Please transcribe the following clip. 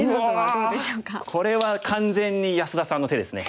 これは完全に安田さんの手ですね。